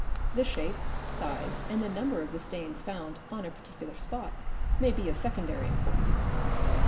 The shape, size, and the number of the stains found on a particular spot may be of secondary importance.